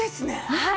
はい。